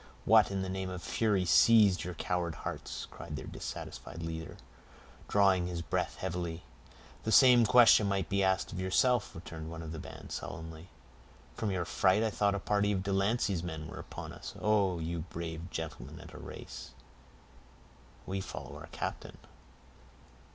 "What in the name of fury seized your coward hearts?" cried their dissatisfied leader, drawing his breath heavily. "The same question might be asked of yourself," returned one of the band, sullenly. "From your fright, I thought a party of De Lancey's men were upon us. Oh! you are brave gentlemen at a race!" "We follow our captain."